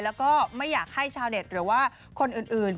แล้วก็ไม่อยากให้ชาวเน็ตหรือว่าคนอื่น